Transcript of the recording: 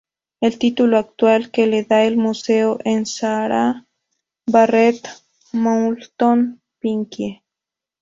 El título actual que le da el museo es Sarah Barrett Moulton: Pinkie.